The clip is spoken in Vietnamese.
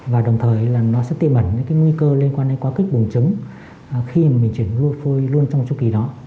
và đồng thời là nó sẽ tiêm ẩn những nguy cơ liên quan đến quá kích bùng trứng khi mà mình chuyển phôi luôn trong chư kỳ đó